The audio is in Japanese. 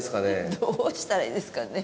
どうしたらいいですかね。